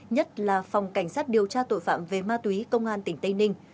nhất là phòng cảnh sát điều tra tội phạm về ma túy công an tỉnh tây ninh